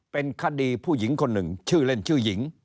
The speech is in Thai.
เป็นคดีผู้หญิงคนหนึ่งชื่อเล่นชื่อหญิง